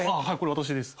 私です。